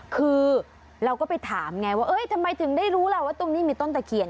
คือเราก็ไปถามไงว่าทำไมถึงได้รู้ล่ะว่าตรงนี้มีต้นตะเคียน